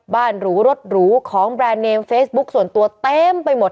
หรูรถหรูของแบรนด์เนมเฟซบุ๊คส่วนตัวเต็มไปหมด